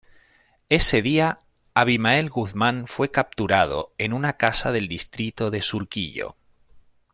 Ese día, Abimael Guzmán fue capturado en una casa del distrito de Surquillo.